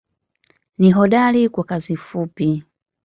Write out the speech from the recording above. Ni hodari kwa kazi fupi.